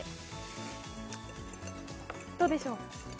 どうでしょう。